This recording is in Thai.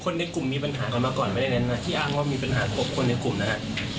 ในกลุ่มมีปัญหากันมาก่อนไม่ได้เน้นนะที่อ้างว่ามีปัญหากับคนในกลุ่มนะครับ